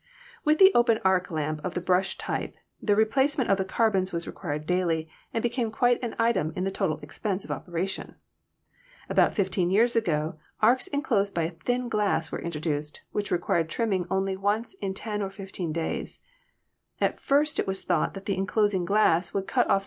With the open arc lamp of the Brush type the replace ment of the carbons was required daily, and became quite an item in the total expense of operation. About 15 years ago arcs enclosed by a thin glass were introduced which required trimming only once in ten or fifteen days. At first it was thought that the enclosing glass would cut of!